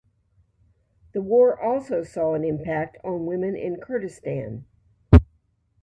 The war also saw an impact on women in Kurdistan.